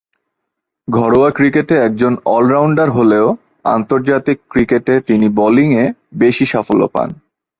ঘরোয়া ক্রিকেটে একজন অলরাউন্ডার হলেও, আন্তর্জাতিক ক্রিকেটে তিনি বোলিংয়ে বেশি সাফল্য পান।